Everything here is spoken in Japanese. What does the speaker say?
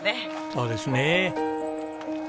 そうですね。